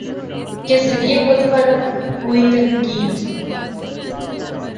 کے ذریعے خود پر ہوئی تنقید